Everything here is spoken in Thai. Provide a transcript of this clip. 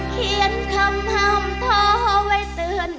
เขียนคำห้ามท้อไว้เตือน